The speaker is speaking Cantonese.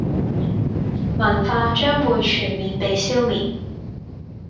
文化將會全面被消滅